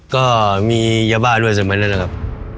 ก็มียาบ้านด้วยเสร็จมั้ยนั่นแหละครับ